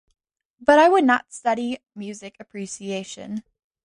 But I would not study music appreciation.